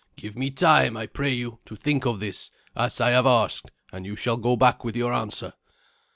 "Give me time, I pray you, to think of this, as I have asked, and you shall go back with your answer."